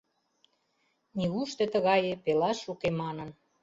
Нигушто тыгае пелаш уке манын.